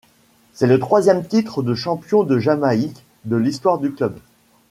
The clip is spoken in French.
C'est le troisième titre de champion de Jamaïque de l'histoire du club.